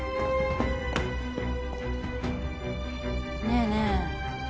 ねえねえ